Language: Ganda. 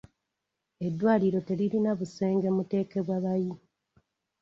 Eddwaliro teririna busenge muteekebwa bayi.